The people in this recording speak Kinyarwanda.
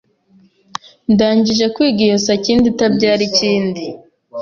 ndangije kwiga iyo sakindi itabyara ikindi.